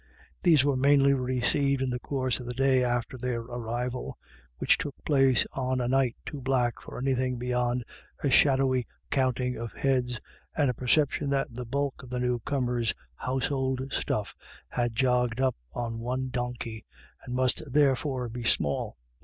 These were mainly received in the course of the day after their arrival, which took place on a night too black for anything beyond a shadowy counting of heads, and a perception that the bulk of the new comers' household stuff had jogged up on one donkey, and must therefore be small.